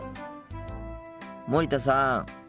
森田さん。